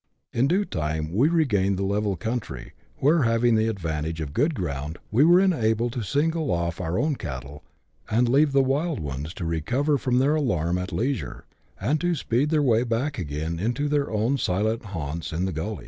In due time we regained the level country, where, having the advantage of good ground, we were enabled to single off our own cattle, and leave the wild ones to recover from their alarm at leisure, and to speed their way back again into their own silent haunts in " the gullies."